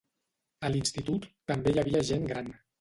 A l'institut també hi havia gent gran.